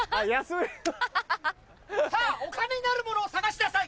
さぁお金になるものを探しなさい。